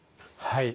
はい。